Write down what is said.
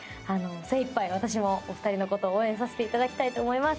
精いっぱい、私もお二人のことを応援させていただきたいと思います。